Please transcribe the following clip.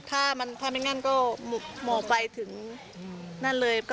ถ้าไม่งั้นก็มองไปถึงนั่นเลย